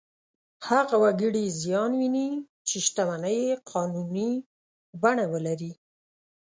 هغه وګړي زیان ویني چې شتمنۍ یې قانوني بڼه ولري.